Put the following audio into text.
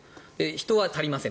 人は足りません。